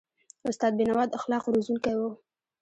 استاد بینوا د اخلاقو روزونکی و.